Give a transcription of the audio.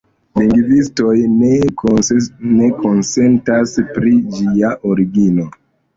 Lingvistoj ne konsentas pri ĝia origino.